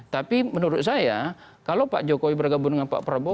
tapi menurut saya kalau pak jokowi bergabung dengan pak prabowo